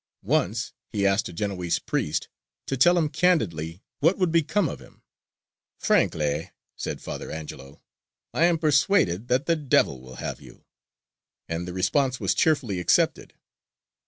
Once he asked a Genoese priest to tell him candidly what would become of him; "frankly," said Father Angelo, "I am persuaded that the devil will have you;" and the response was cheerfully accepted.